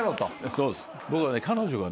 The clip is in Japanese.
そうです。